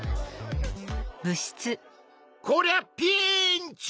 こりゃピンチ！